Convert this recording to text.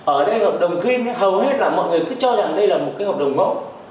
ở đây hợp đồng kinh hầu hết là mọi người cứ cho rằng đây là một cái hợp đồng mẫu